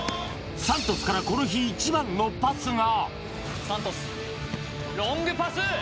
三都主からこの日一番のパスが三都主ロングパス